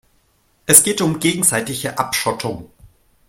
Es geht um gegenseitige Abschottung.